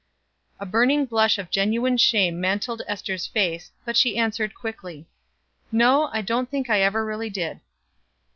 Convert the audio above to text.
A burning blush of genuine shame mantled Ester's face, but she answered quickly: "No; I don't think I ever really did."